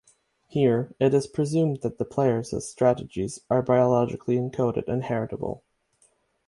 Here, it is presumed that the players' strategies are biologically encoded and heritable.